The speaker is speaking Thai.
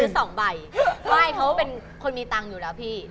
ซื้อ๒ใบ